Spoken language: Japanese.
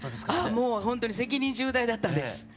ああもうほんとに責任重大だったんです。